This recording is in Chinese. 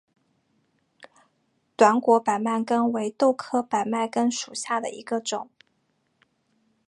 短果百脉根为豆科百脉根属下的一个种。